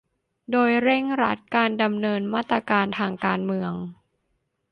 โดยเร่งรัดการดำเนินมาตรการทางการเมือง